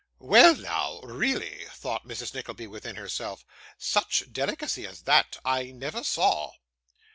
'Well now, really,' thought Mrs. Nickleby within herself. 'Such delicacy as that, I never saw!